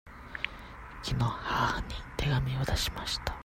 きのう母に手紙を出しました。